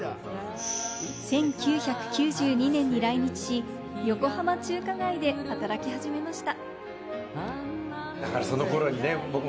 １９９２年に来日し、横浜中華街で働き始めました。